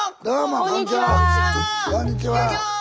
どうも。